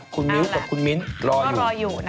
คุณมิ้วกับคุณมิ้นรออยู่